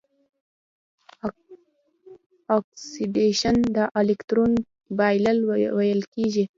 اکسیدیشن د الکترون بایلل ویل کیږي.